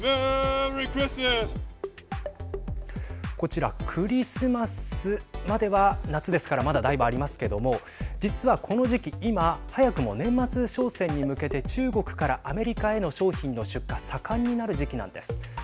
こちら、クリスマスまでは夏ですからまだ、だいぶありますけども実は、この時期、今早くも年末商戦に向けて中国からアメリカへの商品の出荷盛んになる時期なんです。